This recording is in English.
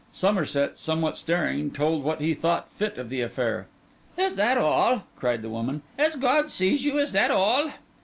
Somerset, somewhat staring, told what he thought fit of the affair. 'Is that all?' cried the woman. 'As God sees you, is that all?